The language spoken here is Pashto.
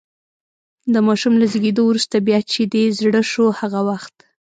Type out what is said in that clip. د ماشوم له زېږېدو وروسته، بیا چې دې زړه شو هغه وخت.